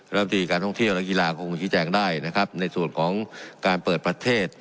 แล้วที่การท่องเที่ยวและกีฬาก็คงคิดแจ้งได้นะครับในส่วนของการเปิดประเทศ